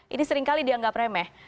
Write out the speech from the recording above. ini seringkali dianggap remeh